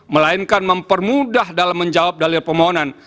melainkan mempermudah dalam menjawab dalil permohonan